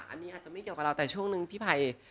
อันนี้อาจจะไม่เกี่ยวกับเราแต่ช่วงนึงพี่ภัย